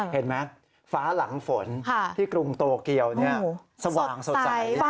เห็นไหมฟ้าหลังฝนที่กรุงโตเกียวสว่างสดใส